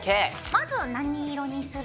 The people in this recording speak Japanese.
まず何色にする？